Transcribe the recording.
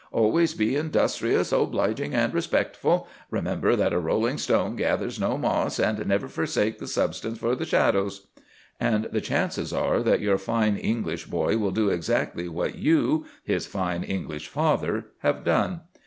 Always be industrious, obliging, and respectful. Remember that a rolling stone gathers no moss, and never forsake the substance for the shadow." And the chances are that your fine English boy will do exactly what you, his fine English father, have done.